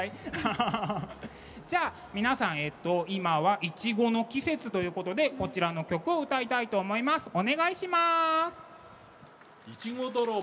皆さん、今はいちごの季節ということでこちらの曲を歌おうと思います。